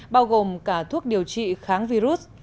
bao gồm cả thuốc điều trị kháng virus